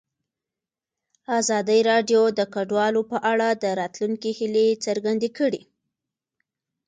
ازادي راډیو د کډوال په اړه د راتلونکي هیلې څرګندې کړې.